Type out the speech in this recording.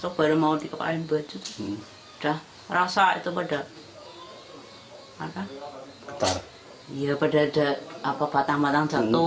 karena diambil bajunya di situ